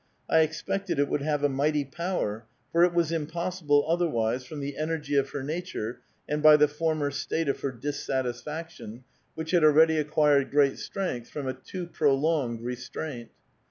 I expected it wotjld have a mighty power, for it was impossible otherwise, from the energy of her nature and by the former state of her dissatisfaction, which had already acquired great strength from a too prolonged restraint.